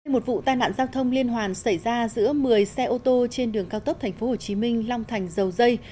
một vụ tai nạn giao thông liên hoàn xảy ra giữa một mươi xe ô tô trên đường cao tốc tp hcm long thành dầu dây